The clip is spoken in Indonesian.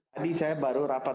tadi saya baru rapat